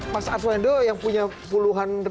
mas arswendo yang punya puluhan